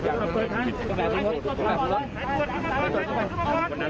กล้าทรัพย์ฉันไม่มีแปลก